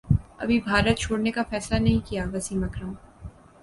ابھی بھارت چھوڑنے کافیصلہ نہیں کیا وسیم اکرم